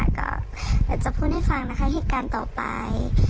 แต่จะพูดให้ฟังนะคะอีกการต่อไป